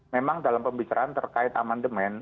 memang dalam pembicaraan terkait amandemen